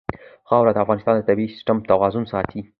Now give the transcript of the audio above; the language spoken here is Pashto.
خاوره د افغانستان د طبعي سیسټم توازن ساتي.